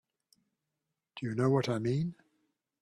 Do you know what I mean?